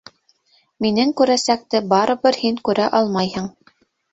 Минең күрәсәкте барыбер һин күрә алмайһың.